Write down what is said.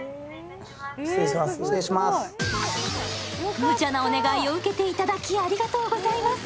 むちゃなお願いを受けていただきありがとうございます。